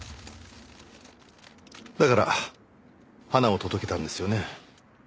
だから花を届けたんですよね。